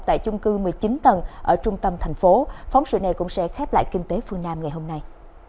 tại chung cư một mươi chín tầng ở trung tâm thành phố phóng sự này cũng sẽ khép lại kinh tế phương nam ngày hôm nay